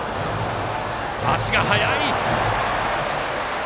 足が速い！